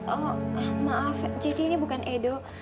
oh maaf ciki ini bukan edo